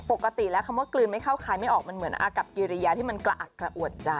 ปกติแล้วคำว่ากลืนไม่เข้าคลายไม่ออกมันเหมือนอากับกิริยาที่มันกระอักกระอ่วนใจ